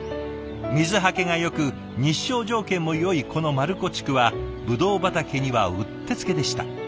水はけがよく日照条件もよいこの丸子地区はブドウ畑にはうってつけでした。